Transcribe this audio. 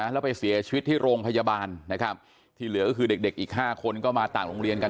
แล้วไปเสียชีวิตที่โรงพยาบาลนะครับที่เหลือก็คือเด็กอีก๕คนก็มาต่างโรงเรียนกัน